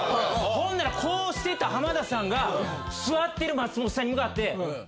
ほんならこうしてた浜田さんが座ってる松本さんに向かって。